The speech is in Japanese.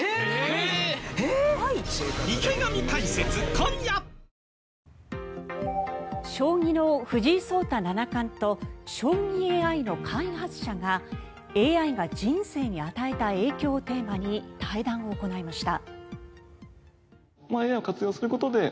丕劭蓮キャンペーン中将棋の藤井聡太七冠と将棋ＡＩの開発者がＡＩが人生に与えた影響をテーマに対談を行いました。